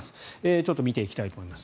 ちょっと見ていきたいと思います。